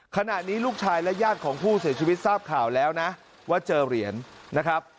ขณะนี้ลูกชายและญาติของผู้เสียชีวิตทราบข่าวแล้วนะว่าเจอเหรียญนะครับ